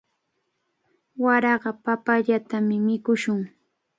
Waraqa papayatami mikushun.